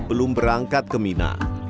belum berangkat ke mina